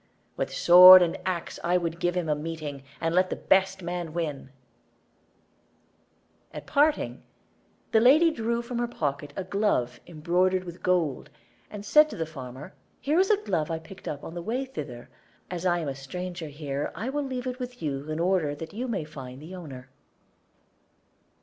"With sword and axe I would give him a meeting, and let the best man win." [Illustration: "HERE IS A GLOVE I PICKED UP ON THE WAY."] At parting, the lady drew from her pocket a glove embroidered with gold, and said to the farmer, "Here is a glove I picked up on the way thither; as I am a stranger here, I will leave it with you in order that you may find the owner."